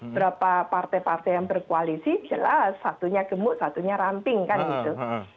berapa partai partai yang berkoalisi jelas satunya gemuk satunya ramping kan gitu